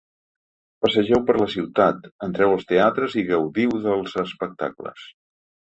Passegeu per la ciutat, entreu als teatres i gaudiu dels espectacles!